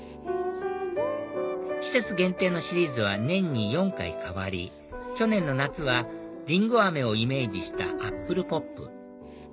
季節限定のシリーズは年に４回替わり去年の夏はリンゴあめをイメージしたアップルポップ